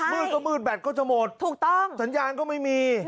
มืดก็มืดแบตก็จะหมดสัญญาณก็ไม่มีใช่ถูกต้อง